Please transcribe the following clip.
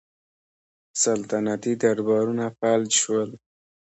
سلطنتي دربارونه فلج شول.